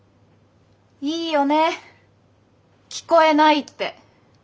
いいよね聞こえないって！